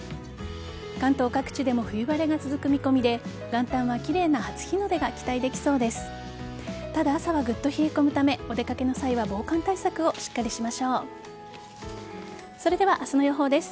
関東各地でも冬晴れが続く見込みで元旦は奇麗な初日の出が期待できそうです。